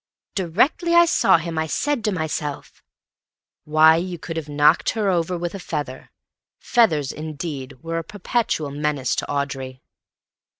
"Directly I saw him I said to myself—" Why, you could have knocked her over with a feather. Feathers, indeed, were a perpetual menace to Audrey.